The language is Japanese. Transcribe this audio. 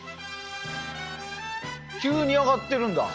急に上がってるんだ。